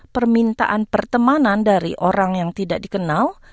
permintaan pertemanan dari orang yang tidak dikenal